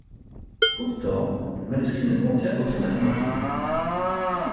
Pourtant, le manuscrit ne contient aucune armoiries.